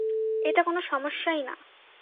এটা কোনো সমস্যাই না।